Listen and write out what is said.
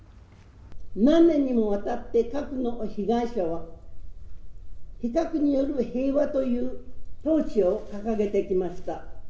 何年にもわたって核の被害者は、非核による平和というトーチを掲げてきました。